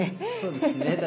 そうですね